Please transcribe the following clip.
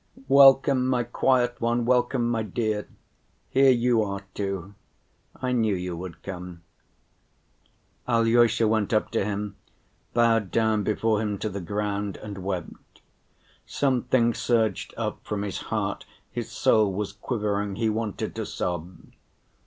"Welcome, my quiet one, welcome, my dear, here you are too. I knew you would come." Alyosha went up to him, bowed down before him to the ground and wept. Something surged up from his heart, his soul was quivering, he wanted to sob.